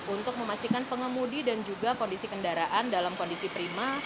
untuk memastikan pengemudi dan juga kondisi kendaraan dalam kondisi prima